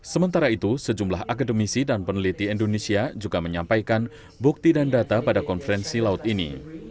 sementara itu sejumlah akademisi dan peneliti indonesia juga menyampaikan bukti dan data pada konferensi laut ini